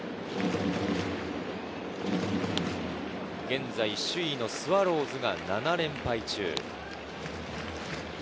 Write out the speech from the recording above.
現在、首位のスワローズが７連敗中。